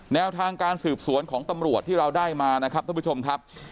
แนวทางการสืบสวนของตำรวจที่เราได้มานะครับท่านผู้ชมครับ